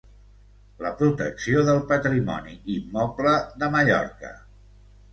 La protecció del patrimoni immoble de Mallorca.